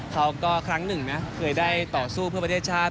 ครั้งหนึ่งนะเคยได้ต่อสู้เพื่อประเทศชาติ